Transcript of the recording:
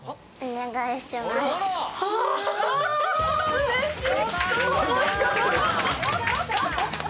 うれしい。